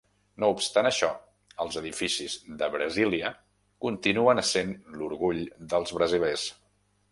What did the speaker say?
No obstant això, els edificis de Brasília continuen essent l'orgull dels brasilers.